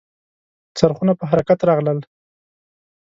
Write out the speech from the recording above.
څرخونه په حرکت راغلل .